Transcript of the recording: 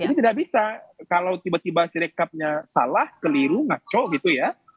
tidak bisa kalau tiba tiba sirekapnya salah keliru ngaco gitu ya